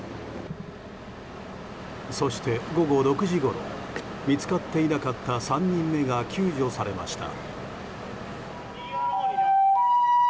そして、午後６時ごろ見つかっていなかった３人目が救助されました。